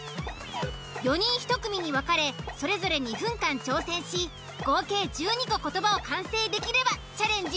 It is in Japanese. ４人１組に分かれそれぞれ２分間挑戦し合計１２個言葉を完成できればチャレンジ